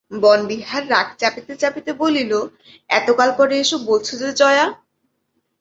বনবিহার রাগ চাপিতে চাপিতে বলিল, এতকাল পরে এসব বলছ যে জয়া?